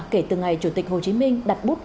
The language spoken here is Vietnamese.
kể từ ngày chủ tịch hồ chí minh đặt bút